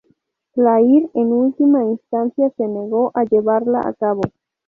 Clair en última instancia se negó a llevarla a cabo.